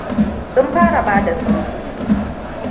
Sun fara bada sauti.